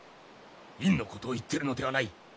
院のことを言っているのではない。